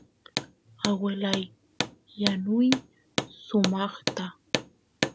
aguelay yanuy sumaqta